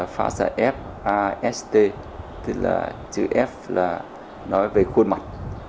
pháp là f a s t tức là chữ f là nói về khuôn mặt